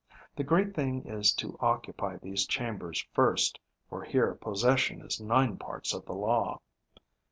The great thing is to occupy these chambers first, for here possession is nine parts of the law.